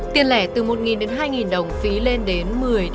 tiền lẻ từ một hai đồng phí lên đến một mươi hai mươi